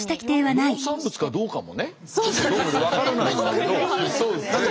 農産物かどうかもね分からないんだけど。